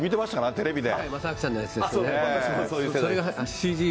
テレビで。